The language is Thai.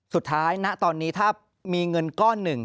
ณตอนนี้ถ้ามีเงินก้อนหนึ่ง